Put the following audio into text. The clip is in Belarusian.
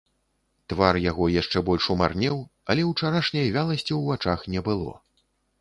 Твар яго яшчэ больш умарнеў, але ўчарашняй вяласці ў вачах не было.